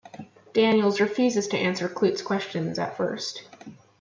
Daniels refuses to answer Klute's questions at first.